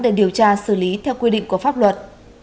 để điều tra xử lý theo quy định của pháp luật